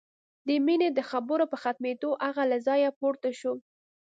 د مينې د خبرو په ختمېدو هغه له ځايه پورته شو.